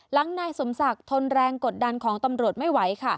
หลังนายสมศักดิ์ทนแรงกดดันของตำรวจไม่ไหวค่ะ